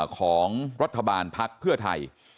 ของรัฐบาลภักดิ์เพื่อไทย